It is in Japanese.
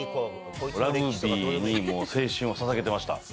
ラグビーにもう、青春をささげてました。